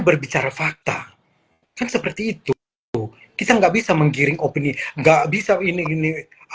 berbicara fakta kan seperti itu kita nggak bisa menggiring opini nggak bisa ini ini